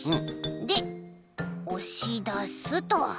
でおしだすと。